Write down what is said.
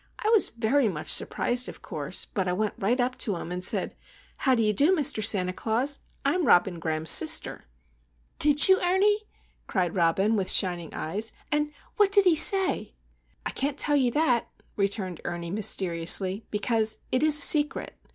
I was very much surprised, of course; but I went right up to him, and said,—'How do you do, Mr. Santa Claus? I'm Robin Graham's sister.'" "Did you, Ernie!" cried Robin, with shining eyes. "And what did he say?" "I can't tell you that," returned Ernie, mysteriously, "because it is a secret.